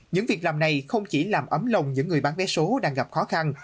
những việc làm này không chỉ làm ấm lòng những người bán vé số đang gặp khó khăn